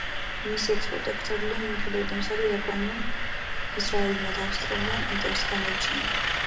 მისი ექსპორტი აკრძალულია, მიუხედევად იმისა, რომ იაპონიამ, ისრაელმა და ავსტრალიამ ინტერესი გამოიჩინა.